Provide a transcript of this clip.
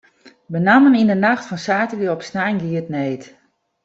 Benammen yn de nacht fan saterdei op snein gie it need.